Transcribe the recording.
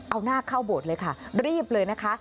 เอาหน้าเข้าโบสถ์เลยค่ะรีบเลยนะคะ